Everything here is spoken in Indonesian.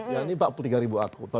yang ini empat puluh tiga ribu akun